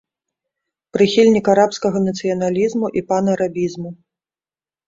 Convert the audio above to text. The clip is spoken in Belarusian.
Прыхільнік арабскага нацыяналізму і панарабізму.